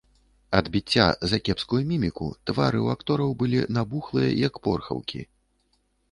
Ад біцця за кепскую міміку твары ў актораў былі набухлыя, як порхаўкі.